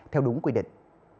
theo đúng quy định